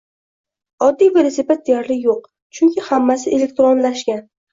Oddiy velosiped deyarli yoʻq, chunki hammasi elektronlashgan.